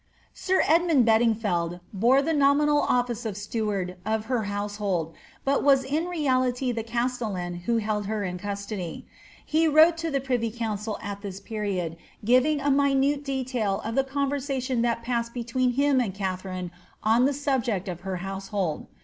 * Sir Edmund Bedingfeld bore the nominal office of steward of ber ^ household, hut was in reality the castellan who held her in custody. Hs * wrote to tlie privy conncil at this period, giving a minute detafl of the conversation ttiat psssed between him and Katharine on the subject of her household.